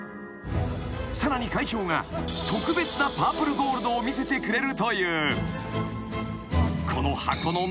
［さらに会長が特別なパープルゴールドを見せてくれるという］